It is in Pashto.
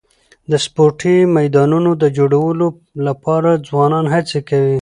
د سپورټي میدانونو د جوړولو لپاره ځوانان هڅي کوي.